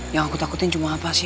yang aku takutin cuma apa sih